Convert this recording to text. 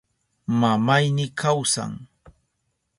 Mamayni kawsan.